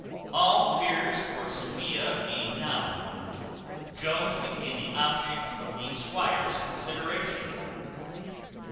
All fears for Sophia being now removed, Jones became the object of the squire's consideration.